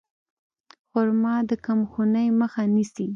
خرما د کمخونۍ مخه نیسي.